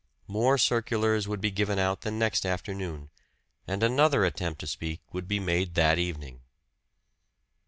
More circulars would be given out the next afternoon, and another attempt to speak would be made that evening.